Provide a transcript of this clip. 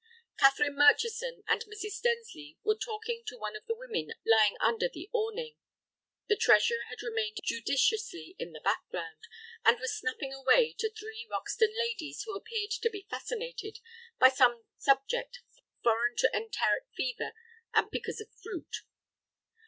Catherine Murchison and Mrs. Stensly were talking to one of the women lying under the awning. The treasurer had remained judiciously in the background, and was snapping away to three Roxton ladies who appeared to be fascinated by some subject foreign to enteric fever and pickers of fruit.